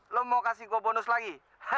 lo mau kasih gue bonus lagi